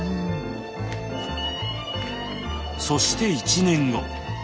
そして１年後。